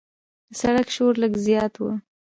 د سړک شور لږ زیات و.